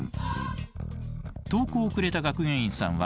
投稿をくれた学芸員さんはこの方。